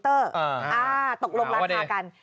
อ่ะเดี๋ยวจะกรรมราคากัน